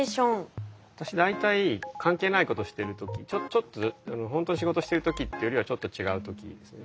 私大体関係ないことしてる時ちょっとほんとに仕事してる時ってよりはちょっと違う時ですね。